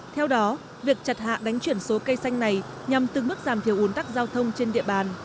theo đó việc chặt hạ đánh chuyển số cây xanh này nhằm từng mức giảm thiểu ủn tắc giao thông trên địa bàn